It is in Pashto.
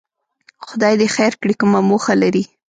خدای دې خیر کړي، کومه موخه لري؟